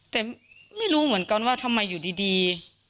แต่ไม่รู้เหมือนกันว่าทำไมอยู่ดี